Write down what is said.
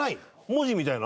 文字みたいな？